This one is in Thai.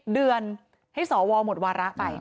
เดือนให้สวหมดวาระไป